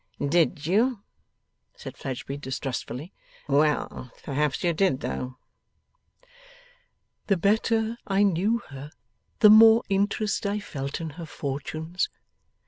'Did you?' said Fledgeby, distrustfully. 'Well. Perhaps you did, though.' 'The better I knew her, the more interest I felt in her fortunes.